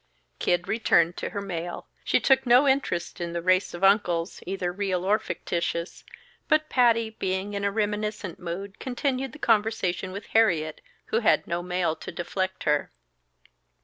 '" Kid returned to her mail. She took no interest in the race of uncles, either real or fictitious. But Patty, being in a reminiscent mood, continued the conversation with Harriet, who had no mail to deflect her.